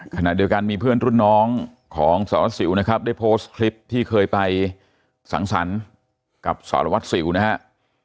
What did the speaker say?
ขณะเดียวกันมีเพื่อนรุ่นน้องของสารวัสสิวนะครับได้โพสต์คลิปที่เคยไปสังสรรค์กับสารวัตรสิวนะครับ